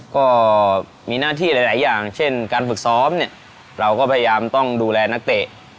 ก็มีหน้าที่หลายอย่างเช่นการฝึกซ้อมเนี่ยเราก็พยายามต้องดูแลนักเตะ